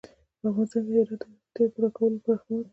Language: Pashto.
په افغانستان کې د هرات د اړتیاوو پوره کولو لپاره اقدامات کېږي.